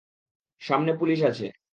সামনে পুলিশ আছে।